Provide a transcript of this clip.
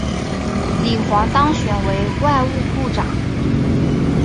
李璜当选为外务部长。